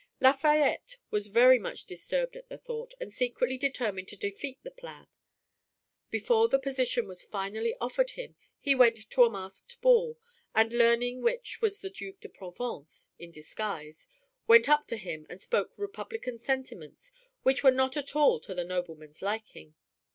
Lafayette was very much disturbed at the thought, and secretly determined to defeat the plan. Before the position was finally offered him he went to a masked ball, and learning which was the Duc de Provence in disguise, went up to him and spoke republican sentiments which were not at all to the nobleman's liking.